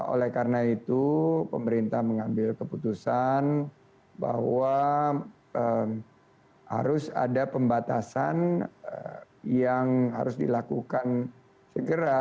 oleh karena itu pemerintah mengambil keputusan bahwa harus ada pembatasan yang harus dilakukan segera